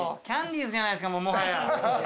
キャンディーズじゃないですかもはや。